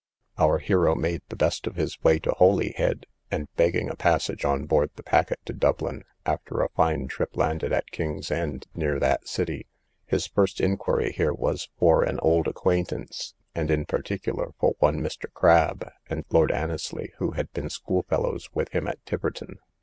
Our hero made the best of his way to Holyhead, and begging a passage on board the packet to Dublin, after a fine trip landed at King's End, near that city. His first inquiry here was for an old acquaintance, and in particular for one Mr. Crab, and Lord Annesly, who had been schoolfellows with him at Tiverton.